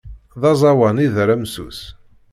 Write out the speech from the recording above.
D aẓawan i d aramsu-s.